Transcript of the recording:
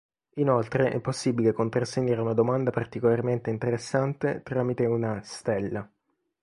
Inoltre, è possibile contrassegnare una domanda particolarmente interessante tramite una "stella".